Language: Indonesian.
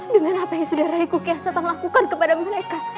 dengan apa yang saudara raiku kian santang lakukan kepada mereka